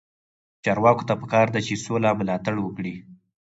چارواکو ته پکار ده چې، سوله ملاتړ وکړي.